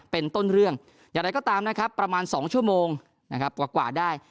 เป็นต้นเรื่องอย่างไรก็ตามนะครับประมาณ๒ชั่วโมงนะครับกว่าได้